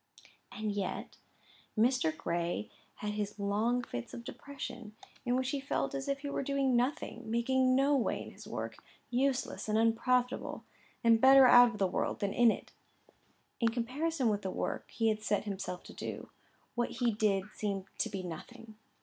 And yet Mr. Gray had his long fits of depression, in which he felt as if he were doing nothing, making no way in his work, useless and unprofitable, and better out of the world than in it. In comparison with the work he had set himself to do, what he did seemed to be nothing.